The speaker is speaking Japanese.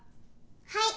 はい。